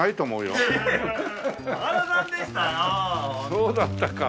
そうだったか。